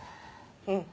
うん。